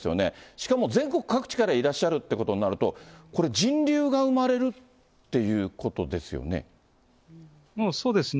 しかも全国各地からいらっしゃるってことになると、これ、人流が生まれるっていうことですよね。